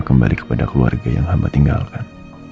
kembali kepada keluarga yang amba tinggalkan